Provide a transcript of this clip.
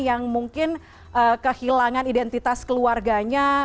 yang mungkin kehilangan identitas keluarganya